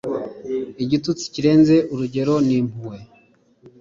Igitutsi kirenze urugero n'impuhwe